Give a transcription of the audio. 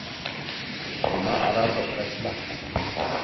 Osko ma ara vaɗ slasəla.